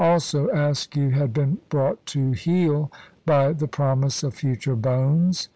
Also, Askew had been brought to heel by the promise of future bones.